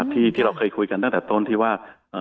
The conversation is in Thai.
ที่เราเคยคุยกันตั้งแต่ต้นที่ว่า